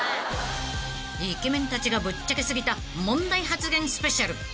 ［イケメンたちがぶっちゃけ過ぎた問題発言スペシャル］